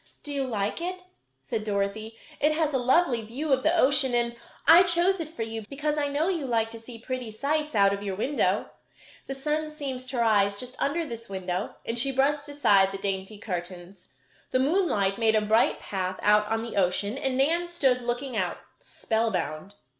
"Do you like it?" said Dorothy. "It has a lovely view of the ocean and I chose it for you because I know you like to see pretty sights out of your window. The sun seems to rise just under this window," and she brushed aside the dainty curtains. The moonlight made a bright path out on the ocean and Nan stood looking out, spellbound.